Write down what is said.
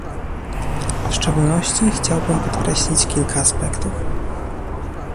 W szczególności chciałbym podkreślić kilka aspektów